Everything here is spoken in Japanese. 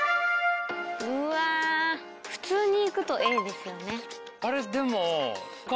うわ普通にいくとＡですよね。